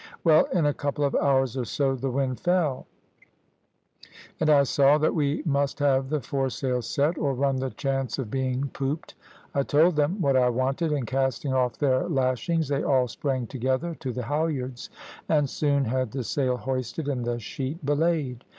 Well, in a couple of hours or so the wind fell, and I saw that we must have the foresail set, or run the chance of being pooped. I told them what I wanted, and casting off their lashings they all sprang together to the halyards, and soon had the sail hoisted and the sheet belayed.